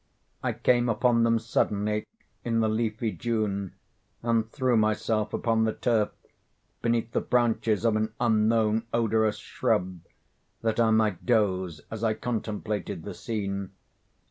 I came upon them suddenly in the leafy June, and threw myself upon the turf, beneath the branches of an unknown odorous shrub, that I might doze as I contemplated the scene.